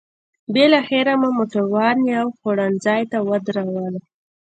بالاخره مو موټران یو خوړنځای ته ودرول.